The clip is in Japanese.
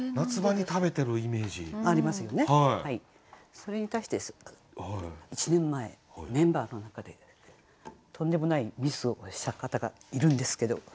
それに対して１年前メンバーの中でとんでもないミスをした方がいるんですけど。